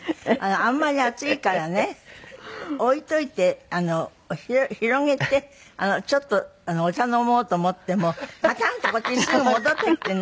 あんまり厚いからね置いといて広げてちょっとお茶飲もうと思ってもパタン！とこっちにすぐ戻ってきてね。